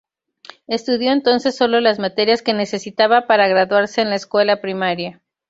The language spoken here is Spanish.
Estudió entonces sólo las materias que necesitaba para graduarse en la escuela primaria.